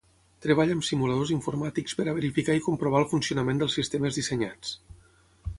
Treball amb simuladors informàtics per a verificar i comprovar el funcionament dels sistemes dissenyats.